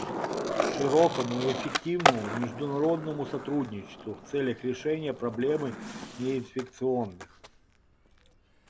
Вьетнам привержен широкому и эффективному международному сотрудничеству в целях решения проблемы неинфекционных заболеваний.